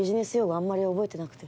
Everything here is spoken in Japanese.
あんまり覚えてなくて。